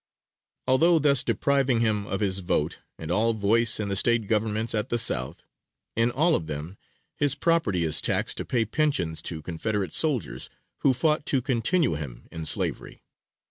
Although thus depriving him of his vote, and all voice in the State governments at the South, in all of them his property is taxed to pay pensions to Confederate soldiers, who fought to continue him in slavery.